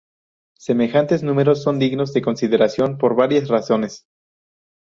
Semejantes números son dignos de consideración por varias razones.